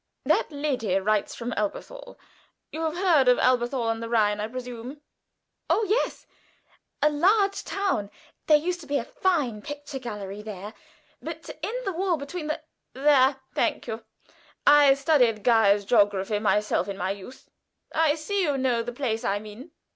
"That lady writes from Elberthal. You have heard of Elberthal on the Rhine, I presume?" "Oh, yes! A large town. There used to be a fine picture gallery there; but in the war between the " "There, thank you! I studied Guy's geography myself in my youth. I see you know the place I mean.